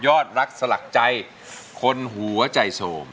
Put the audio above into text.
อดรักสลักใจคนหัวใจโสม